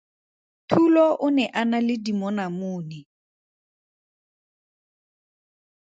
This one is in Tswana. Thulo o ne a na le dimonamone.